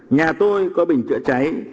nhà tôi có bình trợ cháy